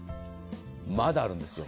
まだあるんですよ。